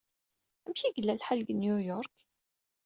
Amek ay iga lḥal deg New York?